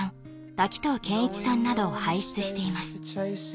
滝藤賢一さんなどを輩出しています